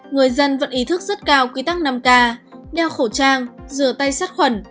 người dân vẫn ý thức rất cao quy tắc năm k đeo khẩu trang rửa tay sát khuẩn